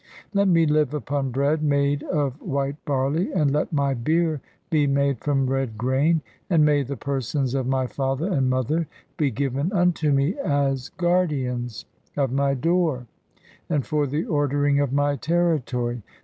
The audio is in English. Let me live upon bread made of white barley, and let "my beer be [made] from red grain, and may the persons of "(7) my father and mother be given unto me as guardians of "my door and for the ordering of my territory.